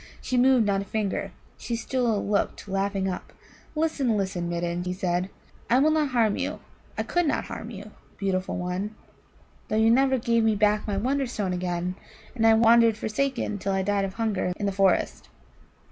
She moved not a finger; she still looked laughing up. "Listen, listen, Midden," he said: "I will not harm you I could not harm you, beautiful one, though you never gave me back my Wonderstone again, and I wandered forsaken till I died of hunger in the forest.